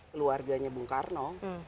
keluarganya bung karno